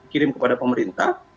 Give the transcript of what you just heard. kirim kepada pemerintah